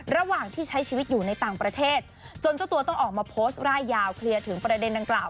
ระหว่างที่ใช้ชีวิตอยู่ในต่างประเทศจนเจ้าตัวต้องออกมาโพสต์ร่ายยาวเคลียร์ถึงประเด็นดังกล่าว